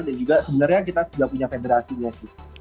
dan juga sebenarnya kita sudah punya federasinya sih